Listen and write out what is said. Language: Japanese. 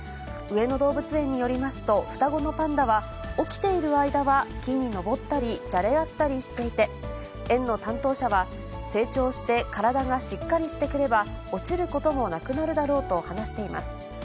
上野動物園によりますと、双子のパンダは、起きている間は、木に登ったり、じゃれ合ったりしていて、園の担当者は、成長して体がしっかりしてくれば、落ちることもなくなるだろうと話しています。